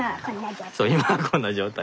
今はこんな状態。